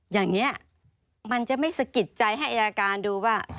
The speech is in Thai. อย่างนี้มันจะไม่สะกิดใจให้อายการดูว่า